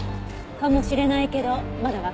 かもしれないけどまだわからない。